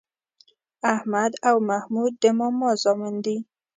احمد او محمود د ماما زامن دي